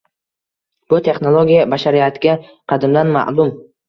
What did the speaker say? Bu texnologiya bashariyatga qadimdan ma`lum